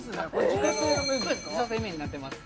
自家製麺になってます